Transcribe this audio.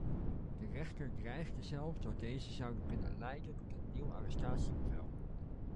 De rechter dreigde zelfs dat deze zouden kunnen leiden tot een nieuw arrestatiebevel.